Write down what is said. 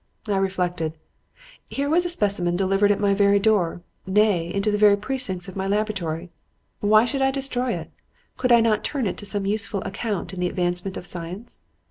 I reflected. Here was a specimen delivered at my very door, nay, into the very precincts of my laboratory. Why should I destroy it? Could I not turn it to some useful account in the advancement of science?